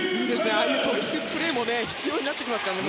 ああいうトリックプレーも必要になりますからね。